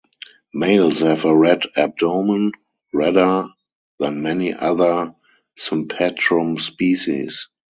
Males have a red abdomen, redder than many other "Sympetrum" species.